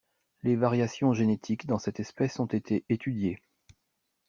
Les variations génétiques dans cette espèce ont été étudiées.